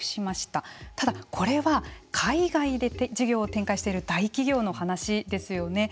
ただ、これは海外で事業を展開している大企業の話ですよね。